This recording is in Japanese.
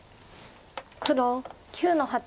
黒９の八。